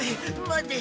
待て！